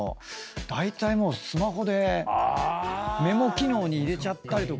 「だいたいスマホでメモ機能に入れちゃったりとかして」